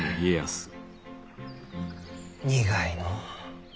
苦いのう。